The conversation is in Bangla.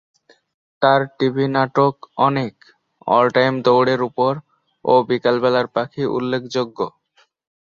তাঁর টিভি নাটক অনেক, "অল টাইম দৌড়ের উপর" ও "বিকাল বেলার পাখি" উল্লেখযোগ্য।